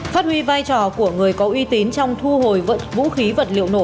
phát huy vai trò của người có uy tín trong thu hồi vũ khí vật liệu nổ